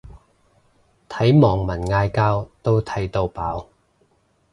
睇網民嗌交都睇到飽